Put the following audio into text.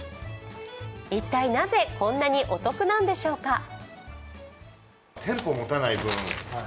一体なぜこんなにお得なのでしょうか？